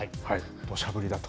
どしゃ降りだと。